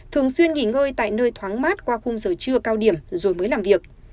thường xuyên nghỉ ngơi tại nơi thoáng mát qua khung giờ trưa cao điểm rồi mới làm việc